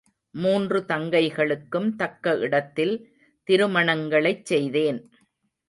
மூன்று தங்கைகளுக்கும் தக்க இடத்தில் திருமணங்களைச் செய்தேன்.